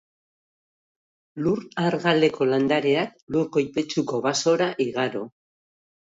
Lur argaleko landareak lur koipetsuko basora igaro.